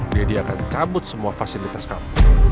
deddy akan cabut semua fasilitas kamu